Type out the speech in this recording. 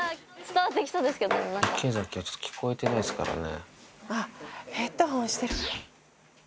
池崎はちょっと聞こえてないですからね。